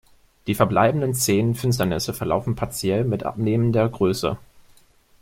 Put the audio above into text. Die verbleibenden zehn Finsternisse verlaufen partiell mit abnehmender Größe.